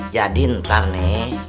jadi ntar nih